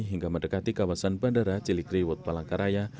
hingga mendekati kawasan bandara cilikriwut palangkaraya